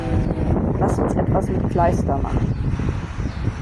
Lass uns etwas mit Kleister machen!